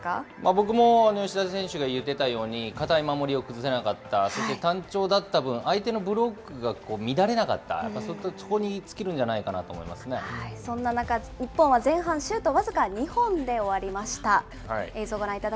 僕も吉田選手が言うてたように堅い守りを崩せなかった、そして単調だった分、相手のブロックが乱れなかった、そこに尽きるんそんな中、日本は前半シュート僅か２本で終わりました。